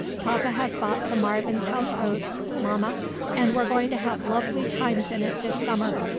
"Papa has bought the Marvin's houseboat, Mamma, and we're going to have lovely times in it this summer."